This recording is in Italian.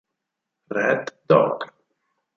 Red dog